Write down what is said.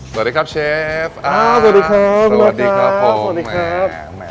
สวัสดีครับเชฟสวัสดีครับสวัสดีครับสวัสดีครับสวัสดีครับ